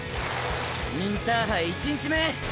インターハイ１日目！